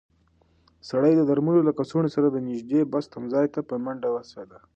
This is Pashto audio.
سړی د درملو له کڅوړې سره د نږدې بس تمځای ته په منډه ورسېد.